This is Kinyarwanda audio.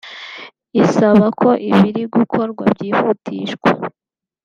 isaba ko ibiri gukorwa byihutishwa